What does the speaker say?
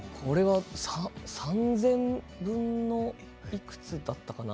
３０００分のいくつだったかな。